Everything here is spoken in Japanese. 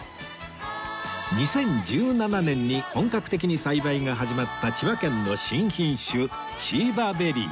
２０１７年に本格的に栽培が始まった千葉県の新品種チーバベリーは